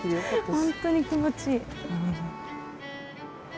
本当に気持ちいい。